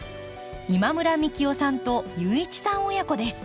今村幹雄さんと雄一さん親子です。